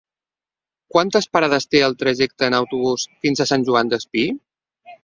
Quantes parades té el trajecte en autobús fins a Sant Joan Despí?